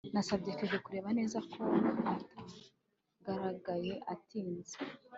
nasabye kevin kureba neza ko atagaragaye atinze